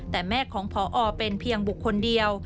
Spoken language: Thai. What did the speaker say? แต่แม่ของพอเป็นเพียงบุคคลเดียว